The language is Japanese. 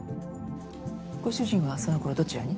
ご主人はその頃どちらに？